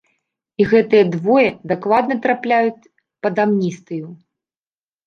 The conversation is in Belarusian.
І гэтыя двое дакладна трапляюць пад амністыю.